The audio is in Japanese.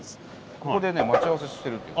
ここでね待ち合わせしてるという。